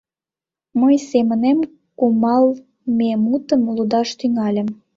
Мый семынем кумалме мутым лудаш тӱҥальым: